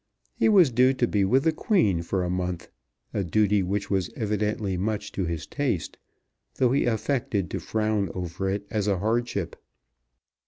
He was due to be with the Queen for a month, a duty which was evidently much to his taste, though he affected to frown over it as a hardship.